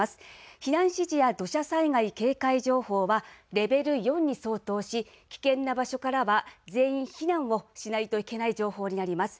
避難指示や土砂災害警戒情報はレベル４に相当し危険な場所からは全員避難をしないといけない情報になります。